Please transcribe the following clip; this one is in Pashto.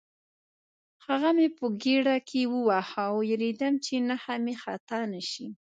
هغه مې په ګېډه کې وواهه، وېرېدم چې نښه مې خطا نه شي.